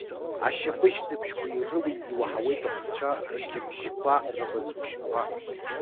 Ашьапышьҭыбжьқәа ирылҩны иуаҳауеит ахәцәа рықьбжьқәа, рыӷызбжьқәа.